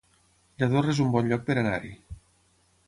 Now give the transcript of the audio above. Lladorre es un bon lloc per anar-hi